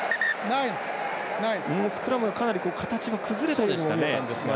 スクラムがかなり形が崩れたようにも見えたんですが。